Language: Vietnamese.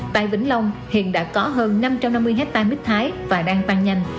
tại vĩnh long hiện đã có hơn năm trăm năm mươi hectare mít thái và đang tăng nhanh